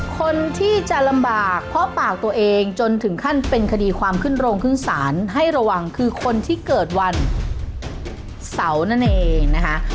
คนที่จะลำบากเพราะปากตัวเองจนถึงขั้นเป็นคดีความขึ้นโรงขึ้นศาลให้ระวังคือคนที่เกิดวันเสาร์นั่นเองนะคะ